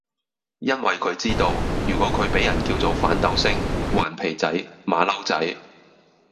因為佢知道，如果佢俾人叫做反鬥星，頑皮仔，馬騮仔